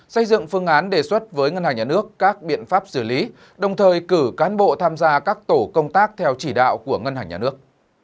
xây dựng phương án đề xuất với ngân hàng nhà nước các biện pháp xử lý đồng thời cử cán bộ tham gia các tổ công tác theo chỉ đạo của ngân hàng nhà nước